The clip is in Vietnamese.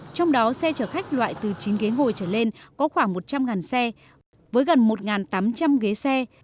trong đó xe chở khách loại từ chín ghế ngồi trở lên có khoảng một trăm linh xe với gần một tám trăm linh ghế xe